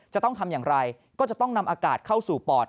จะต้องทำอย่างไรก็จะต้องนำอากาศเข้าสู่ปอด